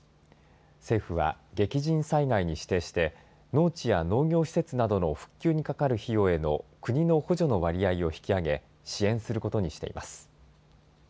政府は激甚災害に指定して農地や農業施設などの復旧にかかる費用への国の補助の割合を引き上げ支援することにしています。